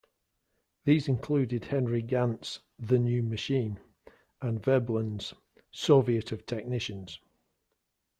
These included Henry Gantt's "The New Machine" and Veblen's "Soviet of Technicians".